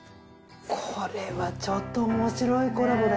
これはちょっとおもしろいコラボだ。